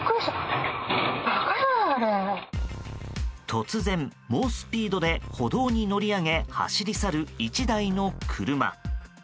突然、猛スピードで歩道に乗り上げ走り去る１台の車。